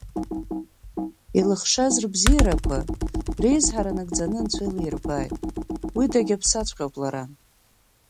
Илыхшаз рыбзиарақәа, реизҳара нагӡаны Анцәа илирбааит, уи дагьаԥсаҵәҟьоуп лара…